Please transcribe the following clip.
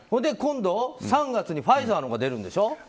今度、３月にファイザーのが出るんでしょう。